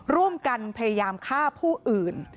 ร่วมกันพยายามฆ่าผู้อื่น